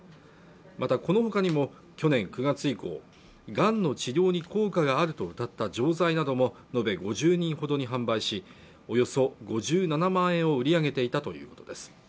またこのほかにも去年９月以降がんの治療に効果があるとうたった錠剤などものべ５０人ほどに販売しおよそ５７万円を売り上げていたということです